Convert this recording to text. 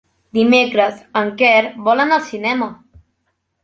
Dimecres en Quer vol anar al cinema.